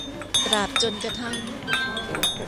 ตราบจนกระทั่ง